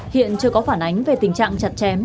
hiện chưa có phản ánh về tình trạng chặt chém